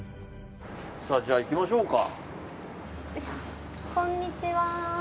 じゃあいきましょうか。